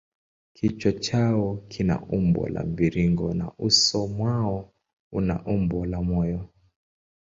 Kichwa chao kina umbo la mviringo na uso mwao una umbo la moyo.